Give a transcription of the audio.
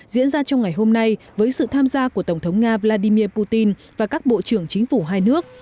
diễn ra trong ngày hôm nay với sự tham gia của tổng thống nga vladimir putin và các bộ trưởng chính phủ hai nước